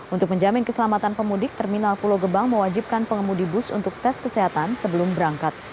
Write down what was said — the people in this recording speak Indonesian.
untuk menjamin keselamatan pemudik terminal pulau gebang mewajibkan pengemudi bus untuk tes kesehatan sebelum berangkat